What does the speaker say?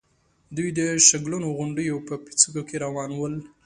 دوی د شګلنو غونډېو په پيڅکو کې روان ول.